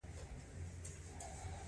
افغانستان یو زراعتي او غرنی هیواد دی.